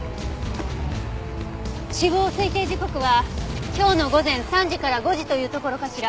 死亡推定時刻は今日の午前３時から５時というところかしら。